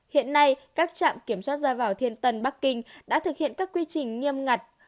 hiện nay các trạm kiểm soát ra vào thiên tân bắc kinh đã thực hiện các quy trình nghiêm ngặt